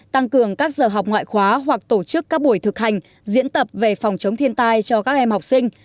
tăng cường các giờ học ngoại khóa hoặc tổ chức các buổi thực hành diễn tập về phòng chống thiên tai cho các em học sinh